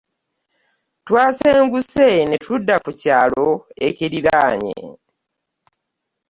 Twasenguse ne tudda ku kyalo ekirinaanye.